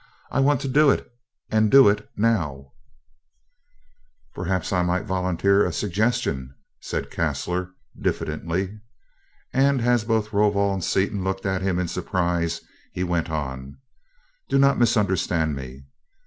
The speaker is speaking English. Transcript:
"I want to do it, and do it now!" "Perhaps I might volunteer a suggestion," said Caslor, diffidently; and as both Rovol and Seaton looked at him in surprise he went on: "Do not misunderstand me.